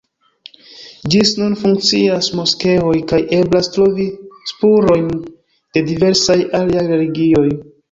Ĝis nun funkcias moskeoj kaj eblas trovi spurojn de diversaj aliaj religioj.